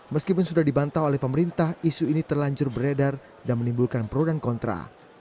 meskipun sudah dibantah oleh pemerintah isu ini terlanjur beredar dan menimbulkan pro dan kontra